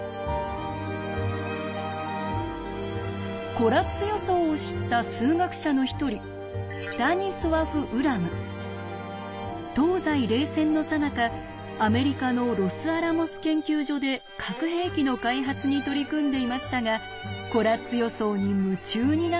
コラッツ予想を知った数学者の一人東西冷戦のさなかアメリカのロスアラモス研究所で核兵器の開発に取り組んでいましたがコラッツ予想に夢中になってしまいます。